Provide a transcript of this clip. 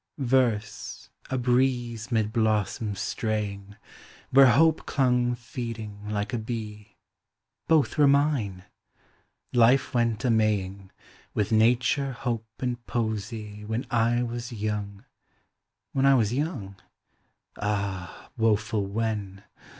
Verse, a breeze 'mid blossoms straying, Where Hojk4 clung feeding, like a bee — Both were mine! Life went a maying With Nature, Hoj>e, and Poesy, When I was young! When I was young? — Ah, woful when!